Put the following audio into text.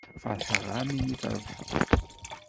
Feṛḥeɣ-am mi trebḥeḍ.